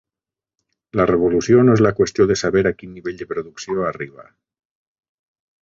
La revolució no és la qüestió de saber a quin nivell de producció arriba.